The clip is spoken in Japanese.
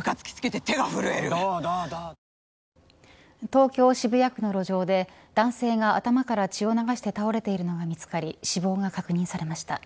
東京、渋谷区の路上で男性が頭から血を流して倒れているのが見つかり死亡が確認されました。